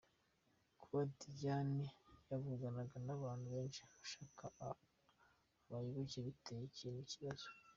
Kuba Diane yavuganaga n’abantu benshi ashaka abayoboke biteye ikihe kibazo?